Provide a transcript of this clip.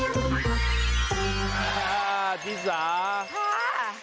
ห่อที่สาข้า